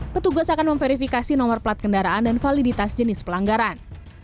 petugas akan memverifikasi nomor plat kendaraan dan validitas jenis pelanggaran